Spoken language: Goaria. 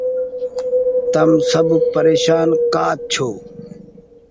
تم سب پريشان ڪآ ڇو۔